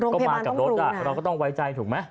ก็มากับรถเราก็ต้องไว้ใจถูกไหม